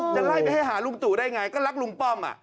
จะไล่ไปให้หาลุงตู่ได้ไงก็รักลุงป้อม